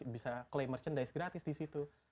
bisa claim merchandise gratis di situ